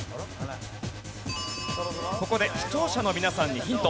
ここで視聴者の皆さんにヒント。